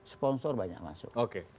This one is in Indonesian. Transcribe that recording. sponsor banyak masuk